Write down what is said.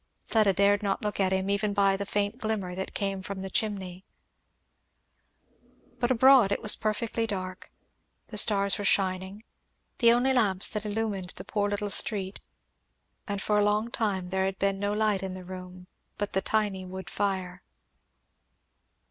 Fleda dared not look at him, even by the faint glimmer that came from the chimney. But abroad it was perfectly dark the stars were shining, the only lamps that illumined the poor little street, and for a long time there had been no light in the room but that of the tiny wood fire.